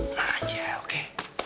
tenang aja oke